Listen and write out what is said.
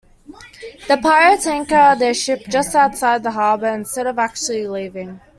The pirates anchor their ship just outside the harbour instead of actually leaving.